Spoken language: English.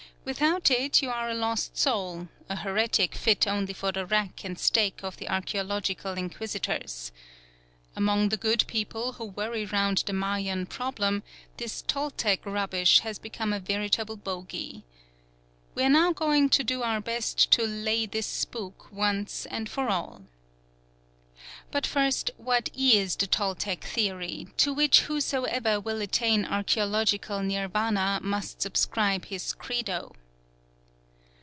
Without it you are a lost soul, a heretic fit only for the rack and stake of the archæological Inquisitors. Among the good people who worry round the Mayan problem, this Toltec rubbish has become a veritable bogy. We are now going to do our best to "lay" this spook once and for all. But first, what is the Toltec theory, to which whosoever will attain archæological Nirvana must subscribe his "Credo"?